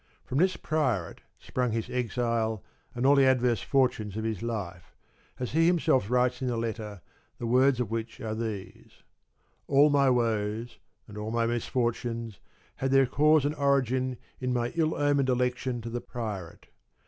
From this Priorate sprung his exile, and all the adverse fortunes of his life, as he himself writes in a letter, the words of which are these :* All my woes and all my misfortunes had their cause and origin in my ill omened election to the Priorate.